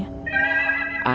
cara berh hina